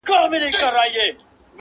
چي یې ټول خپلوان کړل قتل زړه یې سوړ سو-